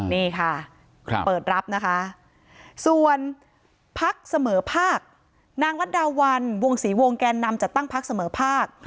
นี่ค่ะเปิดรับนะคะส่วนพักเสมอภาคนางรัฐดาวันวงศรีวงแกนนำจัดตั้งพักเสมอภาค